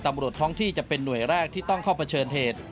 ตำรวจท้องที่จะเป็นหน่วยแรกที่ต้องเข้าเผชิญเหตุ